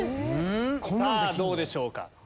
さぁどうでしょうか？